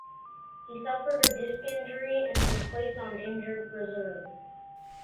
He suffered a disc injury and was placed on injured reserve.